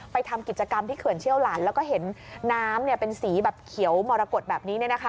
ทำกิจกรรมที่เขื่อนเชี่ยวหลานแล้วก็เห็นน้ำเป็นสีแบบเขียวมรกฏแบบนี้